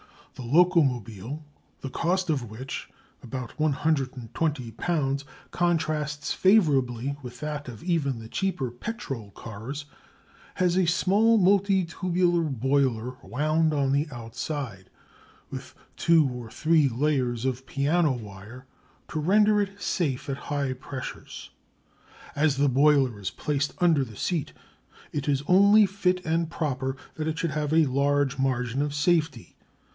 The Locomobile, the cost of which (about £120) contrasts favourably with that of even the cheaper petrol cars, has a small multitubular boiler wound on the outside with two or three layers of piano wire, to render it safe at high pressures. As the boiler is placed under the seat it is only fit and proper that it should have a large margin of safety.